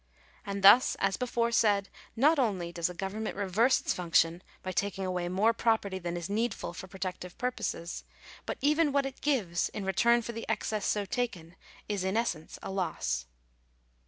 And thus, as before said, not only does a government reverse its function by taking away more property than is needful for protective purposes, but even what it gives, in return for the excess so taken, is in essence a loss.